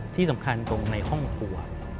ที่สำคัญตรงในห้องครัว